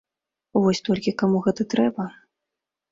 Вось толькі каму гэта трэба?